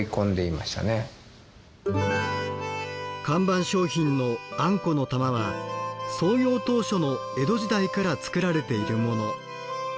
看板商品のあんこの玉は創業当初の江戸時代から作られているもの。